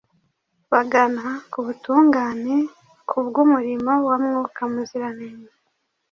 bagana ku butungane. Kubw’umurimo wa Mwuka Muziranenge,